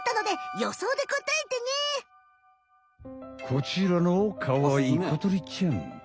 こちらのかわいいこ鳥ちゃん。